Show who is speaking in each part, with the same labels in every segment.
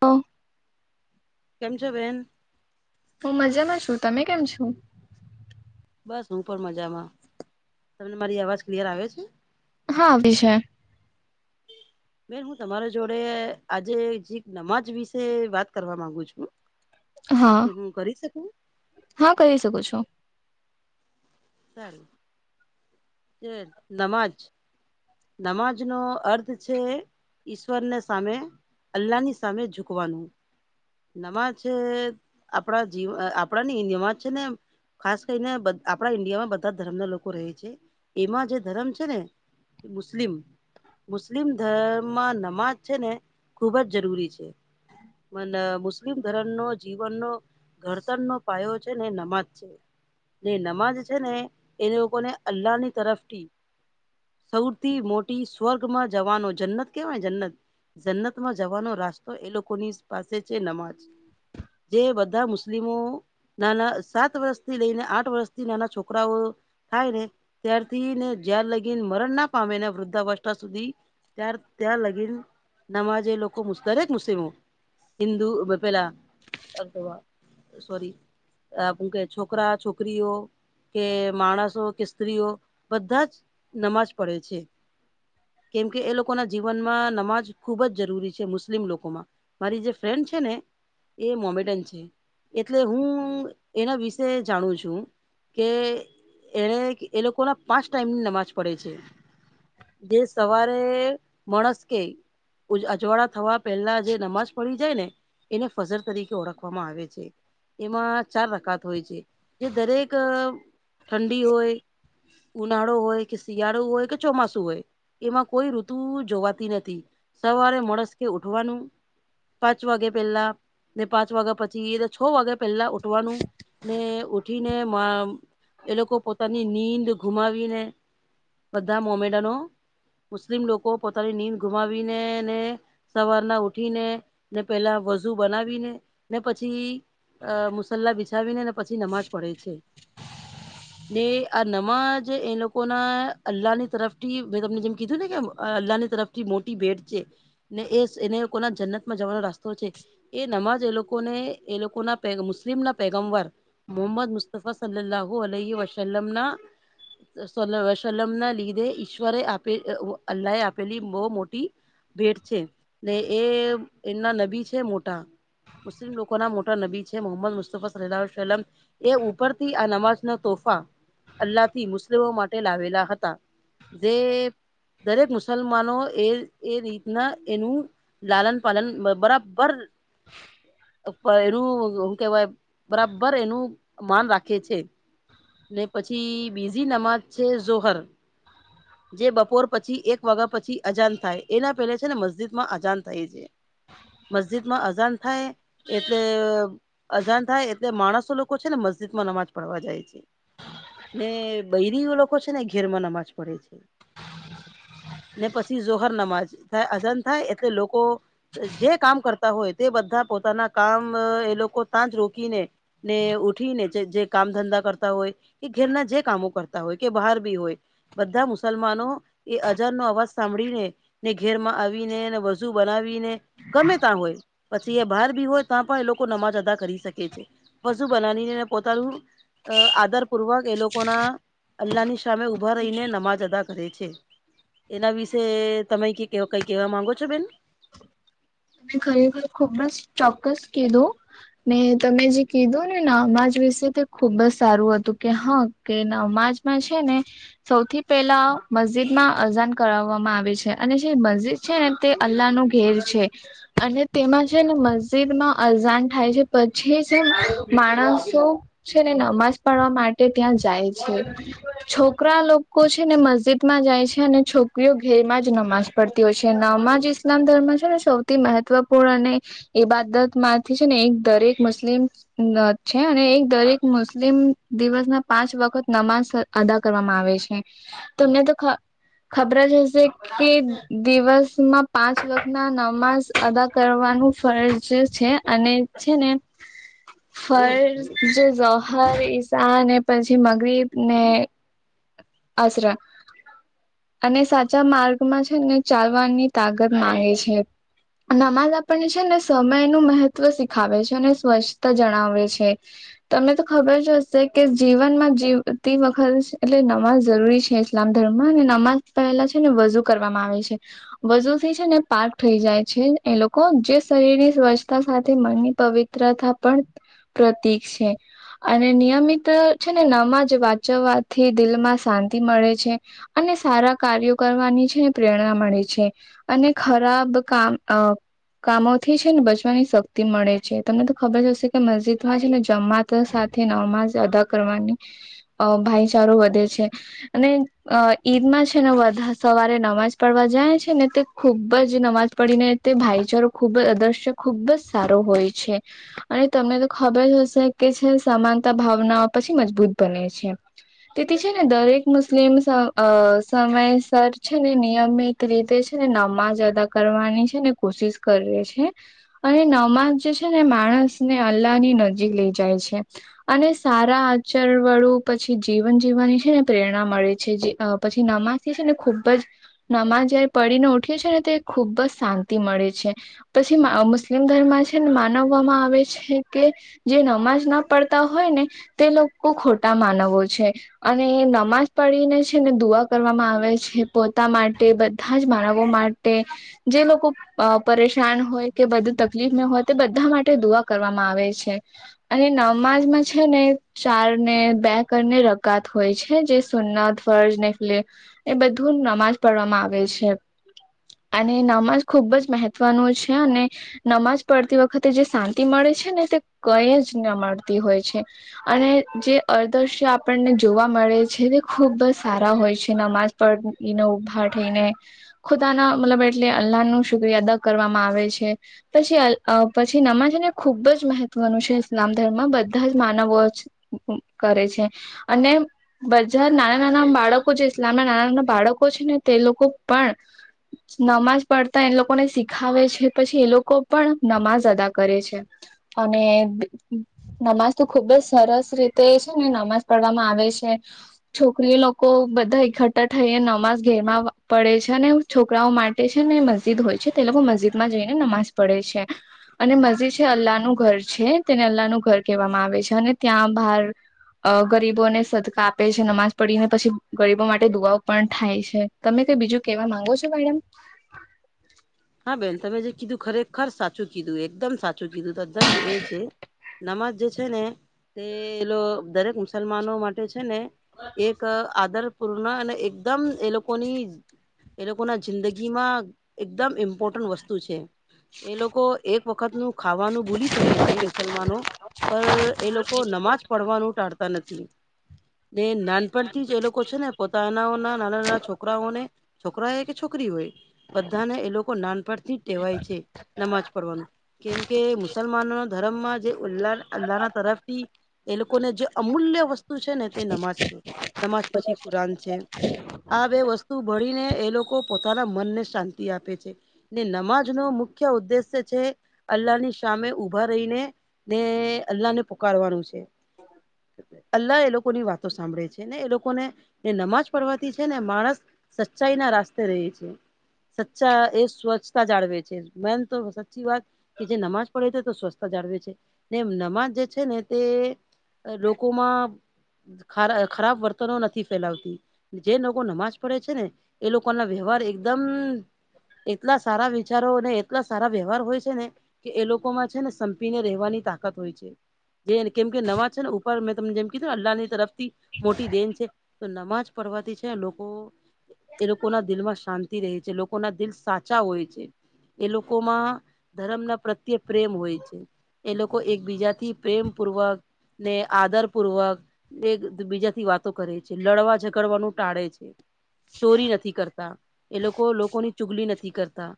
Speaker 1: Hello
Speaker 2: કેમ છો બેન?
Speaker 1: હું મજામાં છું. તમે કેમ છો?
Speaker 2: બસ હું પણ મજામાં. તમને મારી અવાજ ક્લિયર આવે છે?
Speaker 1: હા વિષય.
Speaker 2: એ [unintelligible] બેન હું તમારા જોડે આજે નમાજ વિશે વાત કરવા માંગુ છું. [unintelligible]
Speaker 1: હા
Speaker 2: તો હું કરી શકું
Speaker 1: હા કહી શકો છો.
Speaker 2: સારું ચ નમાજ. નમાજનો અર્થ છે. ઈશ્વરને સામે, અલ્લાહની સામે ઝૂકવાનું. નમાજ આપણા જીવ આપણા ની નમાજ છે ને ખાસ કરીને બધ આપણા ઈન્ડિયામાં બધા ધર્મના લોકો રહે છે. એમાં જે ધર્મ છે ને એ મુસ્લિમ મુસ્લિમ ધર્મમાં નમાજ છે ને ખુબ જ જરૂરી છે. મન મુસ્લિમ ધરમ નો જીવનનો ઘડતરનો પાયો છે ને નમાજ છે. ને નમાજ છે ને એ લોકોને અલ્લાહ ની તરફ થી. સૌથી મોટી સ્વર્ગમાં જવાનો જન્નત કહેવાય જન્નત. જન્નત માં જવાનો રાસ્તો એ લોકોની પાસે છે નમાજ. જે બધા મુસ્લિમો નાના સાત વર્ષથી લઈને આઠ વર્ષથી નાના છોકરાઓ થાય ને ત્યારથી ને જયાર લ‌ઇ. મરણ ના પામે વૃદ્ધાવસ્થા સુધી ત ત્યાં લગીન. નમાજ એ લોકો દરેક મુસ્લિમો હિન્દુ પે પેલા. સોરી હું કે છો છોકરા છોકરીઓ. કે માણસો કે સ્ત્રીઓ બધા જ નમાજ પડે છે. કેમ કે એ લોકોના જીવનમાં નમાજ ખુબ જ જરૂરી છે મુસ્લિમ લોકોમાં મારી જે ફ્રેન્ડ છે ને એ મોમેડન છે. એટલે હું એના વિશે જાણું છું. કે એને એ લોકો ના પાંચ ટાઈમની નમાજ પડે છે. જે સવારે માણસ કે. અજવાડાા થવા પહેલા જે નમાજ પડી જાય ને. એને ફઝર તરીકે ઓળખવામાં આવે છે. એમાં ચાર રખાત હોય છે જે દરેક ઠંડી હોય. ઉનાળો હોય. કે શિયાળો હોય કે ચોમાસું હોય એમાં કોઈ ઋતુ જોવાતી નથી. સવારે મળસ કે ઉઠવાનું. પાંચ વાગે પેલા ને પાંચ વાગ્યા પછી એ છ વાગ્યા પહેલા ઉઠવાનું. ને ઉઠીને મ એ લોકો પોતાની નીંદ ગુમાવીને બધા મોમેડાનો મુસ્લિમ લોકો પોતાની નીંદ ગુમાવીનેને. સવારના ઉઠીને ને પેલા વજુ બનાવીને ને પછી. અ મુસલ્લા બિછાવીને ને પછી નમાજ પડે છે. ને આ નવાજ એ લોક. લોકોના અલ્લાહની તરફ થી મેં તમને જેમ કીધું ને કે અલ્લાહની તરફ થી મોટી ભેટ છે. ને એ એને કોના જન્નત માં જવાનો રાસ્તો છે. એ નમાજ એ લોકોને એ લોકો ના પ મુસ્લિમ ના પેગમવાર. મોહમદ મુસ્તફા સલ્લાહુ વસલ્મના સલમ ના લીધે ઈશ્વરે આપે અલ્લાહ એ આપેલી બહ મોટી ભેટ છે ને એ એમના નબી છે મોટા. મુસ્લિમ લોકોના મોટા નબી છે મોહમદ મુસ્તુફા રેલવાર સેલમ એ ઉપરથી આ નમાજના તોફા અલ્લાહથી મુસ્લિમો માટે લાવેલા હતા. જે દરેક મુસલમાનો એ એ રીતના એનું. લાલન પાલન બ બરાબર. એ પયરુ હું કેવાય બરાબર એનું માન રાખે છે. ને પછી બીઝી નમાજ છે ઝોહર. જે બપોર પછી એક વાગા પછી અજાન થાય એના પહેલે છે ને મસ્જિદમાં અજાન થાય છે. મસ્જિદમાં અઝાન થાય એટલે- અઝાન થાય એટલે માણસો લોકો છે ને મસ્જિદમાં નમાજ પડવા જાય છે ને- બૈરીઓ લોકો છે ને ઘેરમાં નમાજ પડે છે. ને પછી ઝોહર નમાજ થાય અજાન થાય એટલે લોકો. જે કામ કરતા હોય તે બધા પોતાના કામ એ લોકો તાં જ રોકીને. ને ઉઠી ને જે જે કામ ધંધા કરતા હોય એ ઘેરના જે કામો. કરતા હોય કે બહાર બી હોય બધા મુસલમાનો એ અજાનનો અવાજ સાંભળીને. ને ઘેરમાં આવીને ને વજુ બનાવીને ગમે તા હોય- પછી એ બહાર ભી હોય તા પણ એ લોકો નમાજ અદા કરી શકે છે. વજુ બનાવીને પોતાનું અ આદર પૂર્વક એ લોકોના- અલ્લાહની સામે ઉભા રહીને નમાજ અદા- કરે છે. એના વિશે તમે કી કઈ કેવા માંગો છો બેન?
Speaker 1: તમે ખરેખર ખૂબ જ ચોક્કસ કીધું. ને તમે જે કીધું ને નામાજ વિશે તે ખુબ જ સારું હતું કે હા. કે નમાજમાં છે ને? સૌથી પહેલા મસ્જિદમાં અઝાન કરાવવામાં આવે છે. અને જે મસ્જિદ- છે ને તે અલ્લાહનું ઘેર છે. અને તેમાં છે ને મસ્જિદમાં અઝાન થાય છે પછી છે ન માણસો- છે ને નમાજ પડવા માટે ત્યાં જાય છે. છોકરા લોકો છે ને મસ્જિદમાં જાય છે. અને છોકરીઓ ઘેરમાં જ નમાજ- પડતી હોય છે. નમાજ ઇસ્લામ ધર્મ છે ને સૌથી મેહત્વપૂર્ણ અને- એ બાદતમાંથી છે ને એક દરેક મુસ્લિમ- છે અને એક દરેક મુસ્લિમ દિવસના પાંચ વખત નમાજ- અદા કરવામાં આવે છે. તમને તો ખ ખબર જ હશે કે દિવસમાં પાંચ વક્તના નમાજ- અદા કરવાનું ફરજ છે અને છે ને- ફર જે હર ઈશાન ને પછી મગરીબ ને-
Speaker 2: હ [inaudible]
Speaker 1: હસરા અને સાચા માર્ગમાં છે ને ચાલવાની તાકાત માંગે છે. નમાજ આપણને છે ને સમયનું મહત્વ શીખાવે છે, અને સ્વચ્છતા જણાવે છે. તમને તો ખબર જ હશે કે જીવનમાં જીવતી વખત એટલે નમાજ જરૂરી છે. ઈસ્લામ ધર્મમાં ને નમાજ પહેલા છે. ને વઝુ કરવામાં આવે છે, વઝૂથી છે ને પાઠ થઈ જાય. છે એ લોકો જે શરીરની સ્વચ્છતા સાથે મનની પવિત્રતા પણ- પ્રતીક છે. અને નિયમિત છે ને નમાજ વાંચવાથી દિલમાં શાંતિ મળે છે. અને સારા કાર્યો કરવાની છે ને પ્રેરણા મળે છે અને ખરાબ કામ- અ કામોથી છે ને બચવાની શક્તિ મળે છે. તમને તો ખબર જ હશે કે મસ્જિદમાં છે ને જમાત- ત સાથે નમાજ અદા કરવાની અ ભાઈચારો વધે છે. અને અ ઈદમાં છે ને વધા સવારે નમાજ પડવા જાય છે. ને તે- ખૂબ જ નમાજ પડીને તે ભાઈચારો ખૂબ જ અદ્રશ્ય ખૂબ જ સારો હોય છે. અને તમને તો ખબર જ હશે કે છે સમાનતા ભાવનાઓ પછી મજબૂત બને છે. તેથી છે ને દરેક મુસ્લિમ સ અ સમયસર છે ને નિયમિત રીતે છે ને નમાજ અદા કરવાની છે ને કોશિશ કરીએ છે. અને નમાજ જે છે ને માણસ ને અલ્લાહ ની નજીક લઇ જાય છે. અને સારા આચરવળું પછી જીવન જીવવાની છે ને પ્રેરણા મળે છે જે પછી નમાજ- જે છે ને ખુબ જ નમાજ પડીને ઉઠએ છી ને તે ખૂબ જ શાંતિ મળે છે. પછી મુસ્લિમ ધર્મ છે ને માનવવામાં આવે છે કે- જે નમાજ ના પડતા હોય ને તે લોકો ખોટા માનવો છે. અને નમાજ પડીને છે ને દુઆ કરવામાં આવે છે પોતા માટે બ- બધા જ બનાવવા માટે જે લોકો- અ પરેશાન હોય કે બધું તકલીફને હોય તે બધા માટે દુઆ કરવામાં આવે છે. અને નમાજમાં છે ને ચાર ને બે કરને રગાત હોય છે જે સુન્નત- ફર્જફલે એ બધું નમાજ પઢવામાં આવે છે અને નમાજ ખૂબ જ મહત્વનું છે અને નમાજ પડતી વખતે જે શાંતિ મળે છે ને તે કઈ જ ન મળતી હોય છે. અને જે અદૃશ્ય આપણને જોવા મળે છે તે ખુબ જ સારા હોય છે નમાજ પર ઉભા થઈને ખુદાના મતલબ એટલે અલ્લાહ ન શુક્રિયા અદા કરવામાં આવે છે. પછી પછી નમાઝ ને ખૂબ જ મહત્વનું છે ઇસ્લામ ધર્મમાં બધા જ માનવો કરે છે અને બજાર નાના નાના બાળકો જે ઇસ્લામ ના નાના નાના બાળકો છે ને તે લોકો પણ નમાજ પડતા તો એ લોકોને શીખાવે છે પછી એ લોકો પણ નમાજ અદા કરે છે. અને નમાજ તો ખુબ જ સરસ રીતે છે ને નમાજ પવામાં આવે છે. છોકરી લોકો બધા એકઠઠા થઈ નમાઝ ઘેરમાં પડે છે ને છોકરાઓ માટે છે ને મસ્જિદ હોય છે તે લોકો મસ્જિદમાં જઈને નમાજ પડે છે. અને મજી છે અલ્લાહનું ઘર છે તેને અલ્લાહ નનું ઘર કહેવામાં આવે છે અને ત્યાં બહાર અ ગરીબોને સદકા આપે છે નમાજ પડીને પછી ગરીબો માટે દુઆઓ પણ થાય છે. તમે કઈ બીજું કેવા માંગો છો મેડમ
Speaker 2: ના બેન તમે જે કીધું ખરેખર સાચું કીધું એકદમ સાચું કીધું તધ એ છે. નમાજ જે છે ને તેલો દરેક મુસલમાનો માટે છે ને એક આદર પૂર્ણ અને એકદમ એ લોકોની એ લોકોના જિંદગી માં એકદમ ઇ્મપોટન વસ્તુ છે, એ લોકો એક વખત નું ખાવાનું ભૂલી શકે છે, મુસલમાનો પર એ લોકો નમાજ પડવાનું ટાળતા નથી. ને નાનપણથી જ એ લોકો છે, ને પોતાના નાના-નાના છોકરાઓને છોકરા એ કે છોકરી હોય બધાને એ લોકો નાનપણ થી ટેવાય છે નમાજ પડવાનું. કેમકે મુસલમાનો ના ધર્મમાં જેલ્લા અલ્લાહ ના તરફથી એ લોકોને જે અમૂલ્ય વસ્તુ છે ને તે નમાજ છે. નમાશ પછી કુરાન છે આ બે વસ્તુ ભળને એ લોકો પોતાના મનને શાંતિ આપે છે. ને નમાજ નો મુખ્ય ઉદ્દેશ્ય છે અલ્લાહની સામે ઉઊભા રહીને. ને અલ્લાહ ને પુકારવાનું છે. અલ્લાહ એ લોકો ની વાતો સાંભળે છે ને એ લોકોને એ નમાજ પડવાથી છે ને માણસ સચ્ચાઈ ના રાસ્તે રહી છે સચ્ચા એ સ્વચ્છતા જાળવે છે મેન તો સાચી વાત કે જે નમાજ પડે છે તો સ્વચ્છ સજાડવે છે ને એમ નમાજ જે છે ને તે લોકોમાં ખરાબ વર્તનો નથી ફેલાવતી જે લોકો નમાજ પડે છે ને એ લોકો ના વ્યવહાર એકદમ એટલા સારા વિચારો ને એટલા સારા વ્યવહાર હોય છે, ને. કે એ લોકોમાં છે, ને સંપીને રહેવાની તાકાત હોય છે. જે કેમ કે નવા છેને, ઉપર મેં તને જેમ કીધું ને અલ્લાહની તરફ મોટી દેન છે, તો નમાજ પઢવાથી છે, લોકો એ લોકો ના દિલ માં શાંતિ રહી છે, લોકોના દિલ સાચા હોય છે, એ લોકોમાં ધર્મ ના પ્રત્યે પ્રેમ હોય છે. એ લોકો એકબીજાથી પ્રેમ પૂર્વક ને આદર પૂર્વક એક બીજાથી વાતો કરે છે, લડવા ઝગડવાનું ટાળે છે. ચોરી નથી કરતા એ લોકો લોકોની ચુગલી નથી નથી કરતા.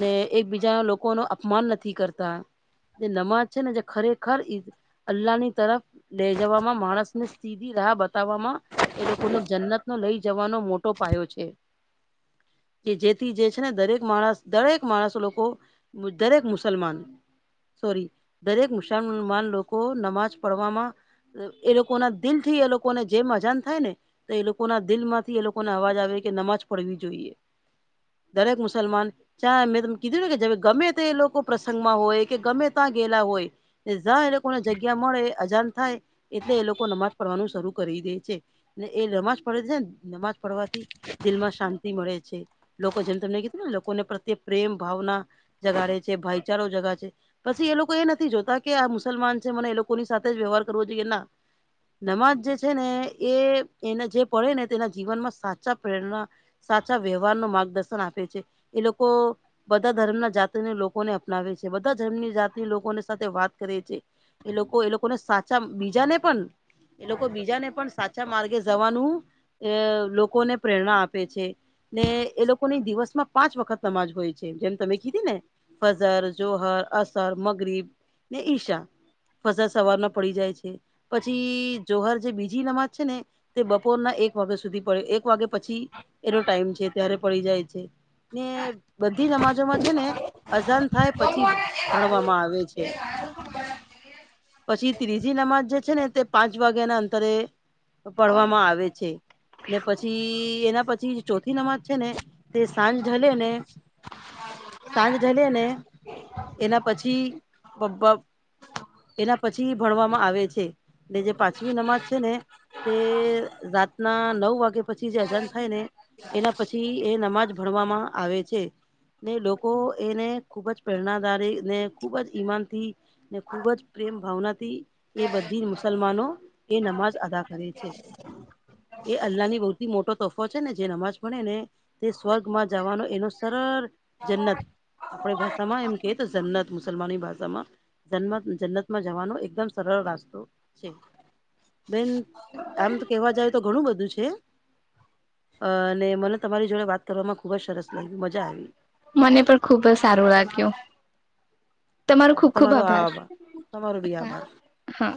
Speaker 2: ને એકબીજા લોકો નો અપમાન નથી કરતા. જે નમાજ છે, ને જે ખરેખર ઈ અલ્લાહની તરફ લે જવામાં માણસ ને સીધી રાહ બતાવવામાં એ લોકોને જન્નત નો લઈ જવાનો મોટો પાયો છે, કે જેથી જે દરેક માણસ દરેક માણસ લોકો દરેક મુસ્લમાન સોરી દરેક મુસલમાન લોકો નમાજ પડવામાં એ લોકો ના દિલ થી એ લોકોને જે અજાન થાય ને તો એ લોકો ના દિલ માંથી એ લોકોને અવાજ આવે કે નમાજ પડવી જોઈએ. દરેક મુસલમાન ચા મેં તમને કીધું ને કે જે ગમે તે એ લોકો પ્રસંગમાં હોય કે ગમે ત્યાં ગેલા હોય. ઝા એ લોકોને જગ્યા મળે એ અજાન થાય. એટલે એ લોકો નમાજ પડવાનું શરૂ કરી દે છે, ને એ નમાજ પડે છે, ને નમાજ પડવાથી દિલમાં શાંતિ મળે છે, લોકો જેમ તમને કીધું ને લોકોને પ્રત્યે પ્રેમ ભાવના જગાડે છે, ભાઈચારો જગા છે. પછી એ લોકો એ નથી જોતા કે આ મુસલમાન છે, મને એ લોકોની સાથે જ વ્યવહાર કરવો જોઈએ ના. નમાજ જે છે, ને એને જે પડે ને તેના જીવનમાં સાચા પ્રેરણા સાચા વ્યવહાર નો માર્ગદર્શન આપે છે, એ લોકો બધા ધર્મના જાતિને લોકોને અપનાવે છે, બધા ધર્મની જાતિ લોકોની સાથે વાત કરે છે. એ લોકો એ લોકોને સાચા બીજાને પણ એ લોકો બીજાને પણ સાચા અચછા માર્ગે જવાનું અ લોકોને પ્રેરણા આપે છે, ને એ લોકો એ લોકો ની દિવસ માં પાંચ વખત નમાજ હોય છે, જેમ તમે કીધી ને. ફજર જોહર, અસર, મગરીબ ને ઈશા. ફજર સવાર ના પડી જાય છે, પછી જોહર જે બીજી નમાજ છે, ને તે બપોરના એક વાગ્યા સુધી પડે એક વાગે પછી એનો ટાઈમ છે, ત્યારે પડી જાય છે. ને બધી નમાજો માં છે, ને અજાન થાય પછી ભણવામાં આવે છે પછી ત્રીજી નમાજ જે છે ને તે પાંચ વાગ્યા ના અંતરે પડવામાં આવે છે ને પછી એના પછી ચોથી નમાજ છે, ને તે સાંજ લેને સાંજ ઢલે ને એના પછી એના પછી ભણવામાં આવે છે, ને જે પાંચમી નમાજ છે, ને તે રાતના નવ વાગ્યા પછી જે અજાન થાય ને એના પછી એ નમાજ ભણવામાં આવે છે. ને લોકો એને ખૂબ જ પ્રેરણાદારી ને ખૂબ જ ઈમાન થી. ને ખુબ જ પ્રેમ ભાવનાથી એ બધી મુસલમાનો એ નમાજ અદા કરે છે. એ અલ્લાહની બહુ થી મોટો તફો છે, ને જે નમાજ ભણે ને તે સ્વર્ગમાં જવાનો એનો સરળ જન્નત આપણે ભાષામાં એમ ક તો જન્નત મુસલમાનની ભાષામાં જન્મ જન્નત માં જવાનો એકદમ સરળ રસ્તો છે. બેન આમ તો કેવા જાય તો ઘણું બધું છે અને મને તમારી જોડે વાત કરવામાં ખુબ જ સરસ લાગી મજા આવી
Speaker 1: મને પણ ખુબ જ સારું લાગ્યું તમારો ખુબ ખુબ
Speaker 2: આ
Speaker 1: આભાર
Speaker 2: તમારો બી આભાર
Speaker 1: હા